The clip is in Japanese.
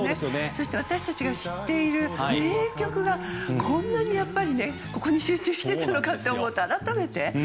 そして私たちが知っている名曲がこんなに、ここに集中していたのかと思うと改めて。